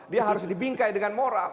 dia harus dibingkai dengan moral